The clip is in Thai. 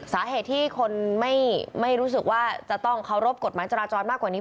สาเหตุที่คนไม่รู้สึกว่าจะต้องเคารพกฎหมายจราจรมากกว่านี้